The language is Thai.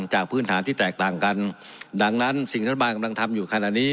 พื้นฐานที่แตกต่างกันดังนั้นสิ่งรัฐบาลกำลังทำอยู่ขณะนี้